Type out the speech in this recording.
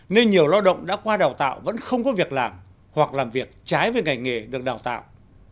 nên nhiều lao động đã qua đào tạo vẫn không có việc làm hoặc làm việc trái với ngành nghề được đào tạo